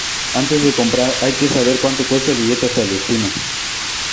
Antes de comprar, hay que saber cuánto cuesta el billete hasta el destino.